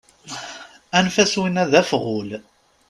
Anef-as win-a d afɣul.